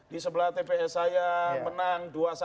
di sebelah tps saya menang dua satu